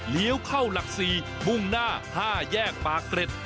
เข้าหลัก๔มุ่งหน้า๕แยกปากเกร็ด